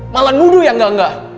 malah nuduh ya enggak enggak